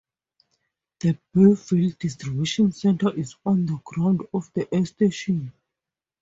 The Beeville Distribution Center is on the grounds of the air station.